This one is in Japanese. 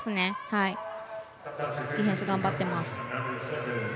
ディフェンス頑張ってます。